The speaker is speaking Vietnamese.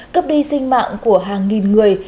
cấp đi sinh mạng của hàng nghìn người